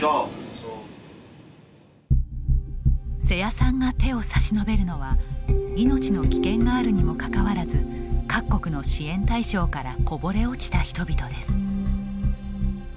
瀬谷さんが手を差し伸べるのは命の危険があるにもかかわらず各国の支援対象からこぼれ落ちた人々です。